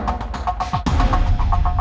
saya tidak pernah menyesal